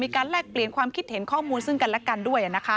แลกเปลี่ยนความคิดเห็นข้อมูลซึ่งกันและกันด้วย